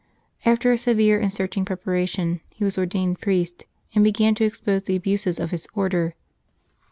After a severe and searching preparation, he was ordained priest, and began to expose the abuses of his Order.